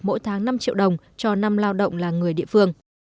mỗi tháng năm triệu đồng cho năm lao động là người địa phương